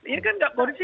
ini kan nggak kondisi